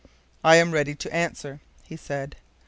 "I am ready to answer," he said.